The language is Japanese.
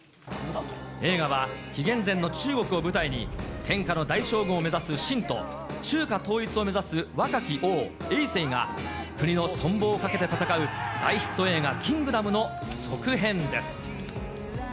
映画は紀元前の中国を舞台に天下の大将軍を目指す信と、中華統一を目指す若き王、えい政が国の存亡をかけて戦う大ヒット映画、キングダムの続編です。